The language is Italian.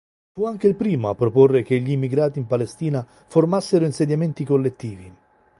Fu anche il primo a proporre che gli immigrati in Palestina formassero insediamenti collettivi.